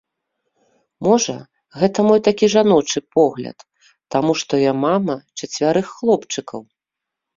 Можа, гэта мой такі жаночы погляд, таму што я мама чацвярых хлопчыкаў.